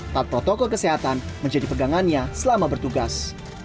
taat protokol kesehatan menjadi pegangannya selama bertugas